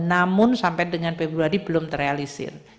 namun sampai dengan februari belum terrealisir